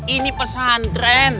ini pesan tren